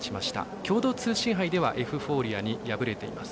共同通信杯ではエフフォーリアに敗れています。